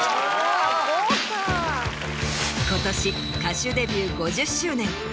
今年歌手デビュー５０周年。